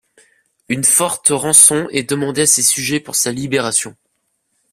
Une forte rançon est demandée à ses sujets pour sa libération.